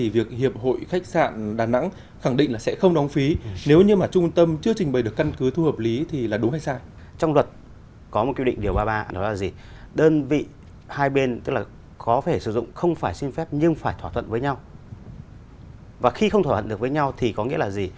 và khi không thỏa thuận được với nhau thì có nghĩa là gì